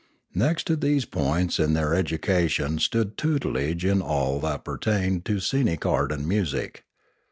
Next to these points in their education stood tutelage in all that per tained to scenic art and music.